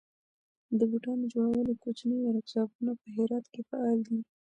د بوټانو جوړولو کوچني ورکشاپونه په هرات کې فعال دي.